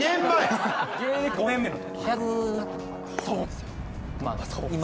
現役５年目の時。